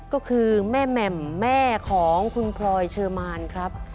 ก็คือแม่แหม่มแม่ของคุณพลอยเชอร์มานครับ